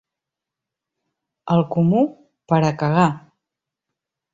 El comú... per a cagar.